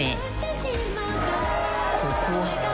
「ここは？」